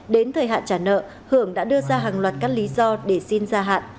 đến thời hạn trả nợ hưởng đã đưa ra hàng loạt các lý do để xin gia hạn